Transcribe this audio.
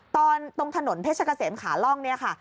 ตอนตรงถนนเพชรเกษมขาล่องนี่ค่ะ